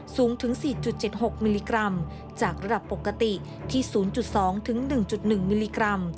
สูงถึง๔๗๖มิลลิกรัมจากระดับปกติที่๐๒๑๑มิลลิกรัม